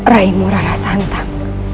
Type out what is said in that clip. raimu rara santang